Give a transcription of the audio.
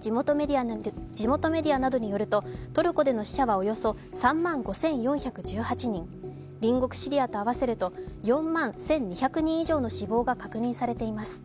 地元メディアなどによるとトルコでの死者はおよそ３万１９００人隣国シリアと合わせると４万１２００人以上の死亡が確認されています。